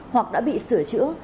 hoặc đã bị sửa chữa